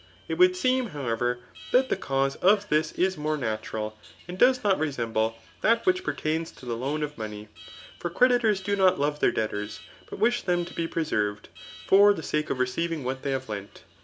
It would seem, however, that the cause of this b more natural, and does not resemble that which per tauns to the loan of money ; for creditors do not love thdr debtors, but wish them to be preserved, for the sake of receiving what they have lent.